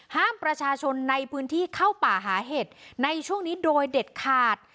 ห้ามประชาชนในพื้นที่เข้าป่าหาเห็ดในช่วงนี้โดยเด็ดขาด